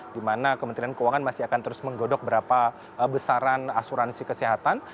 di mana kementerian keuangan masih akan terus menggodok berapa besaran asuransi kesehatan